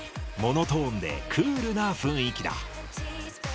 モノトーンでクールな雰囲気だ。